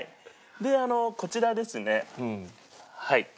であのこちらですね。